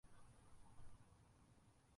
Dindan chiqsang ham, eldan chiqma.